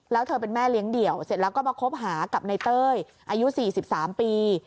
แล้วเธอเป็นแม่เลี้ยงเดี่ยวเสร็จแล้วก็มาคบหากับในเต้ยอายุ๔๓ปี